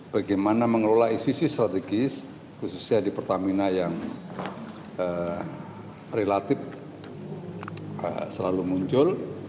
bagaimana mengelola isu isu strategis khususnya di pertamina yang relatif selalu muncul